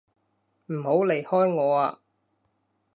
唔好離開我啊！